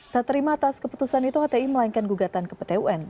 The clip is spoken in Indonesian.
tak terima atas keputusan itu hti melainkan gugatan ke pt un